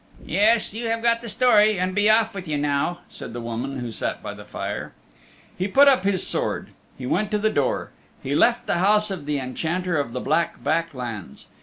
"Yes, you have got the story, and be off with you now," said the woman who sat by the fire. He put up his sword; he went to the door; he left the house of the Enchanter of the Black Back Lands.